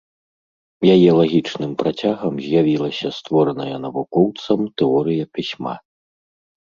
Яе лагічным працягам з'явілася створаная навукоўцам тэорыя пісьма.